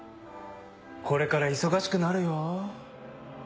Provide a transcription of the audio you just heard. これから忙しくなるよ。